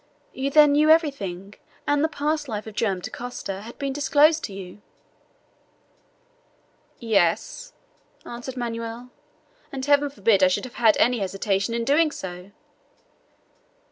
You then knew everything, and the past life of Joam Dacosta had been disclosed to you." "Yes," answered Manoel, "and heaven forbid I should have had any hesitation in doing so!"